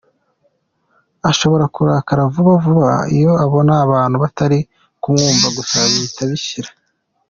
Ashobora kurakara vuba vuba iyo abona abantu batari kumwumva gusa bihita bishira.